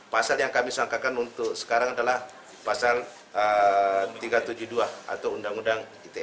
pasal yang kami sangkakan untuk sekarang adalah pasal tiga ratus tujuh puluh dua atau undang undang ite